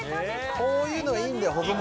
こういうのがいいんだよ。